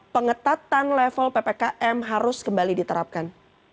pengetatan level ppkm harus kembali diterapkan